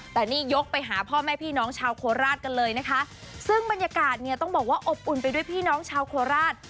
แต่นี่ยกไปหาพ่อแม่พี่น้องชาวโคราชกันเลยนะคะซึ่งบรรยากาศเนี่ยต้องบอกว่าอบอุ่นไปด้วยพี่น้องชาวโคราช